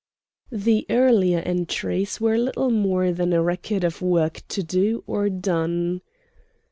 The earlier entries were little more than a record of work to do or done.